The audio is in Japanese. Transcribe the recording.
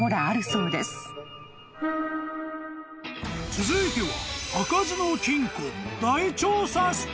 ［続いては］